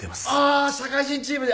あ社会人チームで。